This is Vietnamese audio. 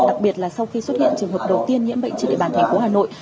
đặc biệt là sau khi xuất hiện trường hợp đầu tiên nhiễm bệnh trên địa bàn thành phố hà nội